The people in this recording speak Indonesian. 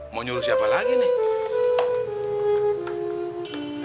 mau nyuruh siapa lagi nih